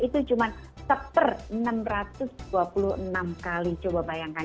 itu cuma seper enam ratus dua puluh enam kali coba bayangkan